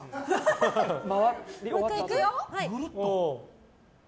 もう１回いくよ。